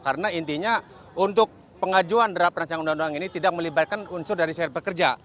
karena intinya untuk pengajuan draft rancangan undang undang ini tidak melibatkan unsur dari secara pekerja